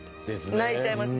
泣いちゃいました。